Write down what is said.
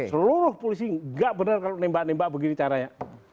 seluruh polisi gak bener kalau nembak nembak begini caranya